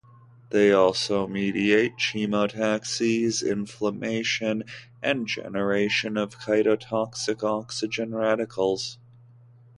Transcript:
They also mediate chemotaxis, inflammation, and generation of cytotoxic oxygen radicals.